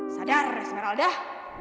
sadar resmeral dah